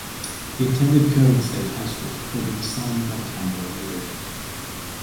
He attended Kirwan State High School before being signed by the Canberra Raiders.